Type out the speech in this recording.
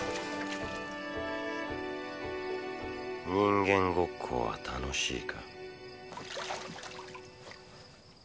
・人間ごっこは楽しいか？